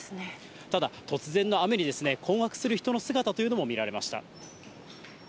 ただ、突然の雨に困惑する人の姿というのも見られました。